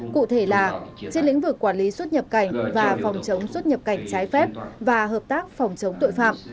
cụ thể là trên lĩnh vực quản lý xuất nhập cảnh và phòng chống xuất nhập cảnh trái phép và hợp tác phòng chống tội phạm